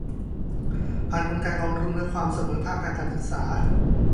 ผ่านกลไกกองทุนเพื่อความเสมอภาคทางการศึกษา